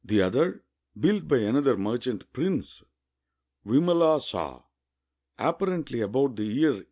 "The other, built by another merchant prince, Vimala Sah, apparently about the year